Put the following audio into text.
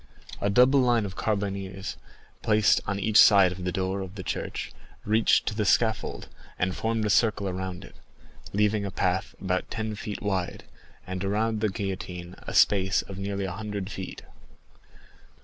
A double line of carbineers, placed on each side of the door of the church, reached to the scaffold, and formed a circle around it, leaving a path about ten feet wide, and around the guillotine a space of nearly a hundred feet.